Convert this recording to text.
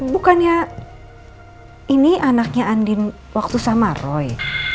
bukannya ini anaknya andin waktu sama roy